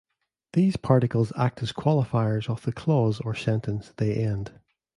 These particles act as qualifiers of the clause or sentence they end.